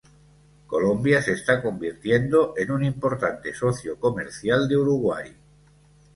Colombia se está convirtiendo en un importante socio comercial de Uruguay.